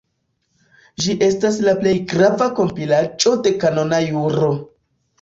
Ĝi estas la plej grava kompilaĵo de kanona juro.